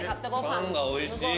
パンがおいしい。